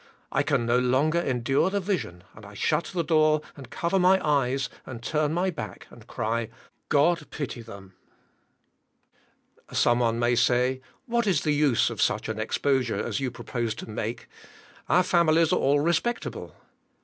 I can no longer endure the vision, and I shut the door, and cover my eyes, and turn my back, and cry, "God pity them!" Some one may say, "What is the use of such an exposure as you propose to make? Our families are all respectable."